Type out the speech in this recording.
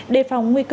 đề phòng nguy cơ